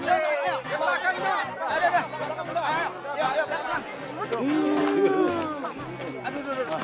kaga mau makan